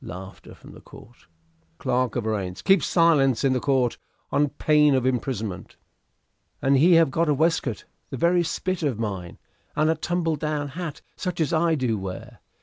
Clerk of Arraigns. Keep silence in the court, on pain of imprisonment. "And he have got a waistcoat the very spit of mine, and a tumble down hat such as I do wear.